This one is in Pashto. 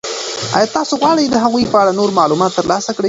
آیا تاسو غواړئ د هغوی په اړه نور معلومات ترلاسه کړئ؟